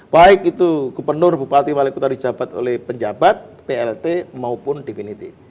baik itu gubernur bupati wali kota dijabat oleh penjabat plt maupun definitif